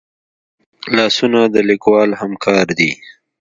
لاسونه د لیکوال همکار دي